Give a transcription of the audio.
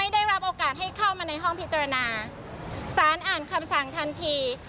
ได้ลงจากบันลังไป